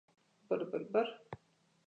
Беше подобро додека бевме заедно во едно тело.